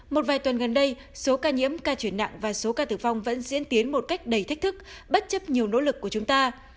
một vài tuần gần đây số ca nhiễm ca chuyển nặng và số ca tử vong vẫn diễn tiến một cách đầy thách thức bất chấp nhiều nỗ lực của chúng ta